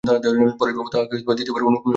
পরেশবাবু তাহাকে দ্বিতীয় বার অনুরোধ করিলেন না।